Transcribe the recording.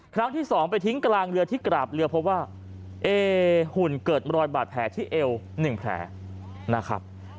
ครั้งที่๒ไปทิ้งกลางเรือที่กราบเรือพบว่าเอหุ่นเกิดรอยบาดแผลที่เอว๑แผลนะครับ